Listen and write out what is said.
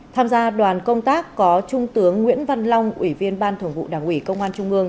tham gia đoàn công tác có trung tướng nguyễn văn long ủy viên ban thường vụ đảng ủy công an trung ương